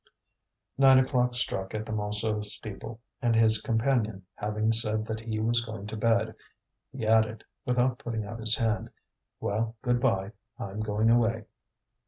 Nine o'clock struck at the Montsou steeple; and his companion having said that he was going to bed, he added, without putting out his hand: "Well, good bye. I'm going away."